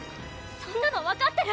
そんなの分かってる！